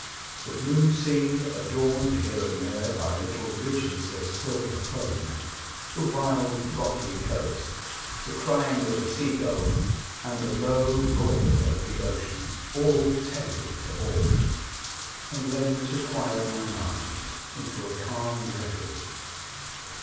The blue sea adorned here and there by little ridges of silver foam, the wild rocky coast, the crying of the sea gulls, and the low roar of the ocean, all tended to awe me, and then to quiet my mind into a calm reverie.